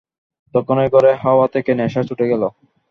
তখনই ঘরের হাওয়া থেকে নেশা ছুটে গেল।